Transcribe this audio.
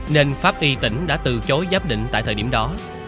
nên pháp y tỉnh đã từ chối gấp đỉnh tại thời điểm đó